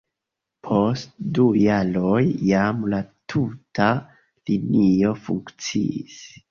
Post du jaroj jam la tuta linio funkciis.